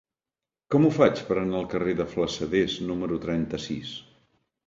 Com ho faig per anar al carrer de Flassaders número trenta-sis?